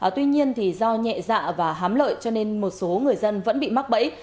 tuy nhiên do nhẹ dạ và hám lợi cho nên một số người dân vẫn bị mắc bẫy